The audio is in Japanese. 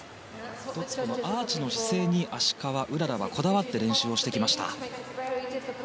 １つ、アーチの姿勢に芦川うららはこだわって練習をしてきました。